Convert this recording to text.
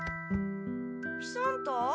喜三太。